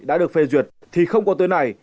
đã được phê duyệt thì không còn tới này